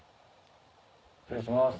失礼します。